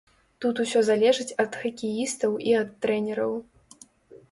Тут усё залежыць ад хакеістаў і ад трэнераў.